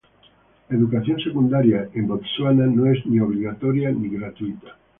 La educación secundaria en Botsuana no es ni obligatoria ni gratuita.